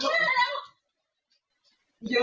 โหเขียบโอ๊ย